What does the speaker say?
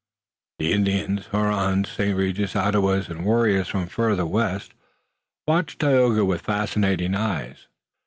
The Indians Hurons, Abenakis, St. Regis, Ottawas, and warriors from farther west watched Tayoga with fascinated eyes.